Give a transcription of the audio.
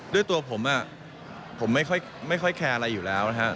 ด้วยตัวผมผมไม่ค่อยแคร์อะไรอยู่แล้วนะครับ